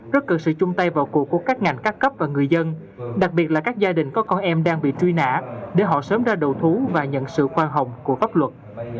rất cần sự chung tay vào cuộc của các ngành các cấp và người dân đặc biệt là các gia đình có con em đang bị truy nã để họ sớm ra đầu thú và nhận sự khoan hồng của pháp luật